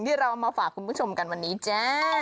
ที่เราเอามาฝากคุณผู้ชมกันวันนี้จ้า